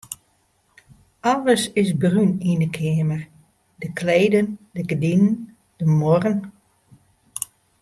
Alles is brún yn 'e keamer: de kleden, de gerdinen, de muorren.